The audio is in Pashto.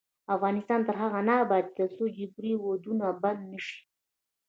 افغانستان تر هغو نه ابادیږي، ترڅو جبري ودونه بند نشي.